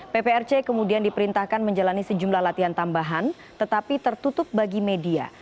pprc kemudian diperintahkan menjalani sejumlah latihan tambahan tetapi tertutup bagi media